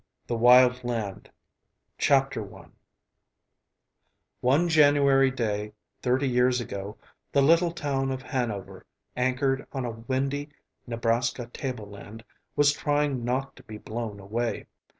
The Wild Land I One January day, thirty years ago, the little town of Hanover, anchored on a windy Nebraska tableland, was trying not to be blown away.